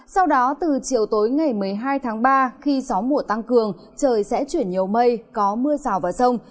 sau đó từ chiều tối ngày một mươi hai tháng ba khi gió mùa tăng cường trời sẽ chuyển nhiều mây có mưa rào và rông